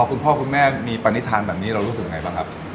คุณพ่อคุณแม่มีปณิธานแบบนี้เรารู้สึกยังไงบ้างครับ